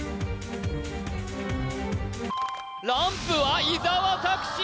ランプは伊沢拓司